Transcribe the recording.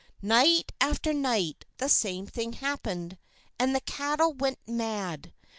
Night after night, the same thing happened, and the cattle went mad.